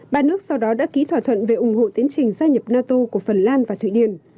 ba nước sau đó đã ký thỏa thuận về ủng hộ tiến trình gia nhập nato của phần lan và thụy điển